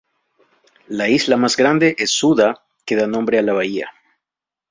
La isla más grande es Suda, que da nombre a la bahía.